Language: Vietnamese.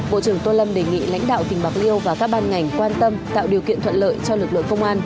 bộ trưởng tô lâm đề nghị lãnh đạo tỉnh bạc liêu và các ban ngành quan tâm tạo điều kiện thuận lợi cho lực lượng công an